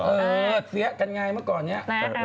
เออเที้ยกันไงก่อนไง